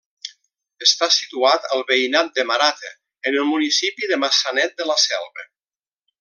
Està situat al veïnat de Marata, en el municipi de Maçanet de la Selva.